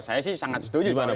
saya sih sangat setuju soal itu